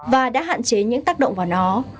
và đã hạn chế những tác động vào nó